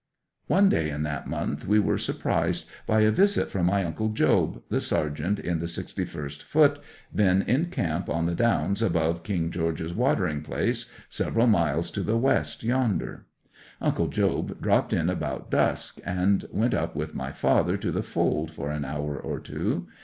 'One day in that month we were surprised by a visit from my uncle Job, the sergeant in the Sixty first foot, then in camp on the downs above King George's watering place, several miles to the west yonder. Uncle Job dropped in about dusk, and went up with my father to the fold for an hour or two.